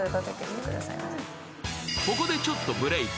ここでちょっとブレーク。